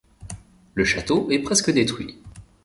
Le château est presque détruit.